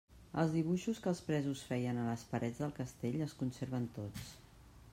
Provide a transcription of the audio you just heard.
Els dibuixos que els presos feien a les parets del castell es conserven tots.